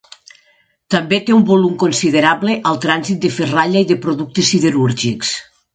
També té un volum considerable el trànsit de ferralla i de productes siderúrgics.